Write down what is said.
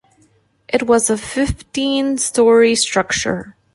It was a fifteen story structure.